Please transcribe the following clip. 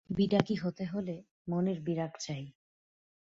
বিরাগী হতে হলে মনে বিরাগ চাই।